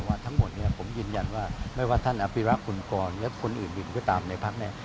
ทั้งหมดเนี่ยผมยืนยันว่าไม่ว่าท่านอภิระคุณกรและคนอื่นก็ตามในพักเนี่ย